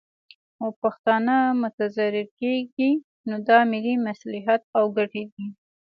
او پښتانه متضرر کیږي، نو دا ملي مصلحت او ګټې دي